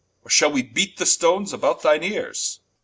Or shall we beat the Stones about thine Eares?